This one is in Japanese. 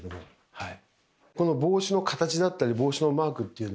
はい。